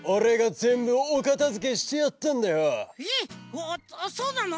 ああそうなの？